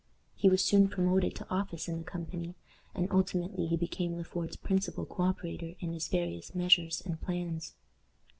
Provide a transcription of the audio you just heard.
He was soon promoted to office in the company, and ultimately he became Le Fort's principal co operator in his various measures and plans.